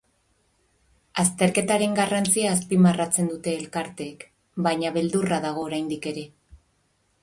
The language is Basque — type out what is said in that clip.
Azterketaren garrantzia azpimarratzen dute elkarteek, baina beldurra dago oraindik ere.